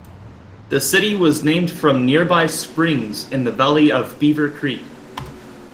The city was named from nearby springs in the valley of Beaver Creek.